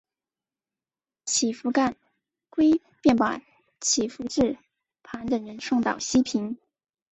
乞伏干归便把乞伏炽磐等人送到西平。